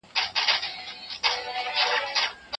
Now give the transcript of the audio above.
تاسو لومړی د خپل اثر ډول معلوم کړئ.